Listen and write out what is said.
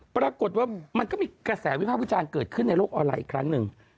ปรากฏว่ามันก็มีกระแสวิภาพวิจารณ์เกิดขึ้นในโลกออนไลน์อีกครั้งหนึ่ง